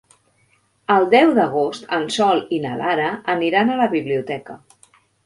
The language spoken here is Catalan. El deu d'agost en Sol i na Lara aniran a la biblioteca.